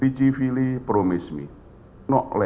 dg filly memberikan janji